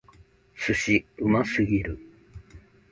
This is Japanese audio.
寿司！うますぎる！